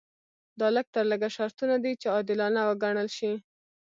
دا لږ تر لږه شرطونه دي چې عادلانه وګڼل شي.